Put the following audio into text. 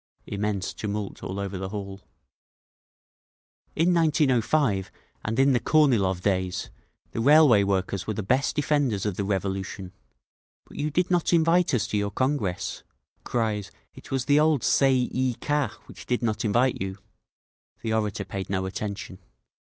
Immense tumult all over the hall. "In 1905, and in the Kornilov days, the Railway Workers were the best defenders of the Revolution. But you did not invite us to your Congress—" Cries, "It was the old Tsay ee kah which did not invite you!" The orator paid no attention.